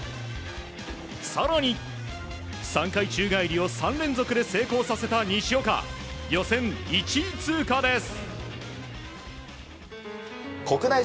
更に、３回宙返りを３連続で成功させた西岡予選１位通過です。